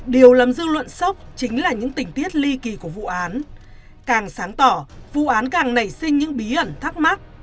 điều làm dư luận sốc chính là những tình tiết ly kỳ của vụ án càng sáng tỏ vụ án càng nảy sinh những bí ẩn thắc mắc